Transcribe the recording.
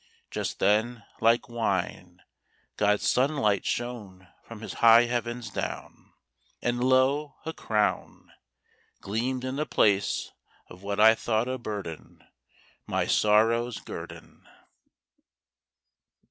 Just then, like wine, God's sunlight shone from His high Heavens down; And lo! a crown Gleamed in the place of what I thought a burden My sorrow's guerdon.